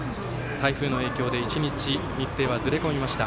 台風の影響で１日日程はずれ込みました。